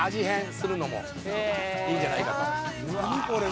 変するのもいいんじゃないかと」